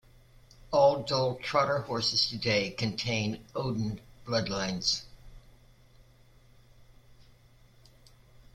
All Dole Trotter horses today contain Odin bloodlines.